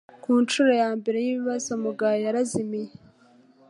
Ku ncuro ya mbere y’ibibazo, Mugabo yarazimiye.